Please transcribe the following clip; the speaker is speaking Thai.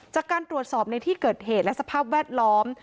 จากการตรวจสอบในที่เกิดเหตุและสภาพแวดล้อม